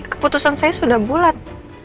keputusan saya sudah bulat